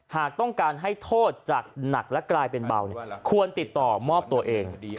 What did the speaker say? หากต้องการให้โทษจากหนักและกลายเป็นเบาควรติดต่อมอบตัวเอง